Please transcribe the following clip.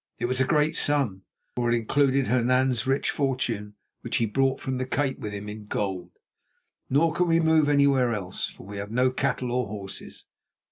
It was a great sum, for it included Hernan's rich fortune which he brought from the Cape with him in gold. Nor can we move anywhere else, for we have no cattle or horses.